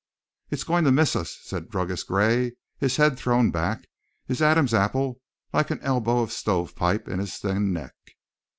"It's goin' to miss us," said Druggist Gray, his head thrown back, his Adam's apple like an elbow of stovepipe in his thin neck.